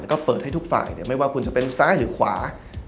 แล้วก็เปิดให้ทุกฝ่ายไม่ว่าคุณจะเป็นซ้ายหรือขวา